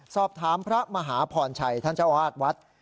สอบถามพระมหาผ่อนชัยท่านเจ้าอาทวัด